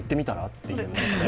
っていう。